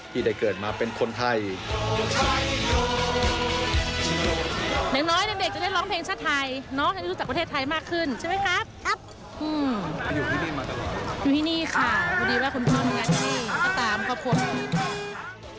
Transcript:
ที่ได้เกิดมาเป็นคนไทย